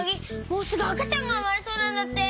もうすぐあかちゃんがうまれそうなんだって。